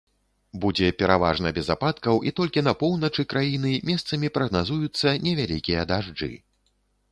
Будзе пераважна без ападкаў і толькі на поўначы краіны месцамі прагназуюцца невялікія дажджы.